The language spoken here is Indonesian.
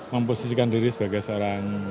memposisikan diri sebagai seorang